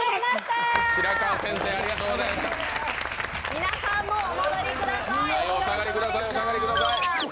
皆さんもお戻りください。